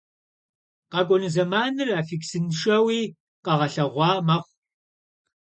Къэкӏуэну зэманыр аффиксыншэуи къэгъэлъэгъуа мэхъу.